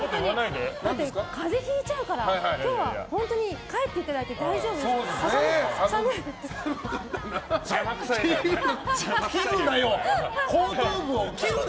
風邪ひいちゃうから今日は本当に帰っていただいて邪魔くさいな！